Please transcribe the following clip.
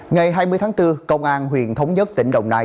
ngày hai mươi tháng bốn công an huyện thống nhất tỉnh đồng nai